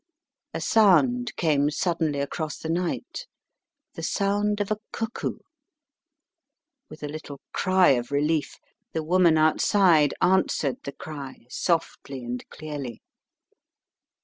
A sound came suddenly across the night, the sound of a cuckoo. With a little cry of relief, the woman outside answered the cry, softly and clearly.